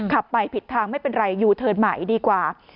ขับไปผิดทางไม่เป็นไรยูเทิร์นใหม่ดีกว่า